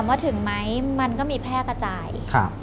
ว่าถึงไหมมันก็มีแพร่กระจาย